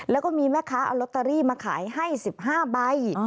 แล้วก็มีแม่ค้าเอาลอตเตอรี่มาขายให้๑๕ใบ